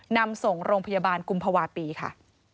นำส่งโรงพยาบาลกุมภาวะปีค่ะ